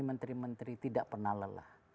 menteri menteri tidak pernah lelah